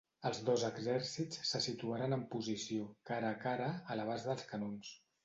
Els dos exèrcits se situaren en posició, cara a cara, a l'abast dels canons.